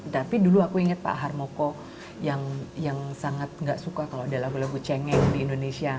tapi dulu aku inget pak harmoko yang sangat gak suka kalau ada lagu lagu cengeng di indonesia